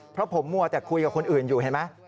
เพราะผมมัวแต่คุยกับคนอื่นอยู่เห็นไหม